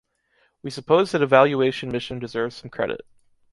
We suppose that evaluation mission deserves some credit.